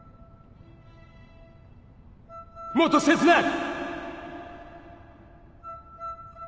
もっと切なく！